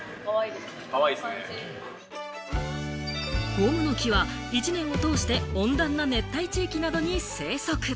ゴムの木は１年を通して温暖な熱帯地域などに生息。